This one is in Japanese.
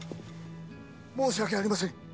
申し訳ありません！